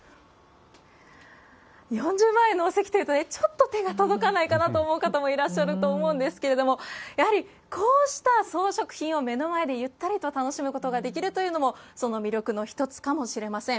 ４０万円のお席というとね、ちょっと手が届かないかなと思う方もいらっしゃると思うんですけれども、やはりこうした装飾品を目の前でゆったりと楽しむことができるというのも、その魅力の一つかもしれません。